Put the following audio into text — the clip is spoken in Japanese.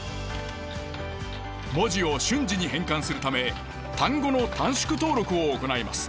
文字を瞬時に変換するため単語の短縮登録を行います。